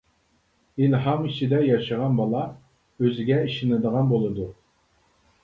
ئىلھام ئىچىدە ياشىغان بالا، ئۆزىگە ئىشىنىدىغان بولىدۇ.